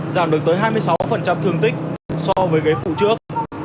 giảm được tới hai mươi sáu thương tích so với ghế phụ trước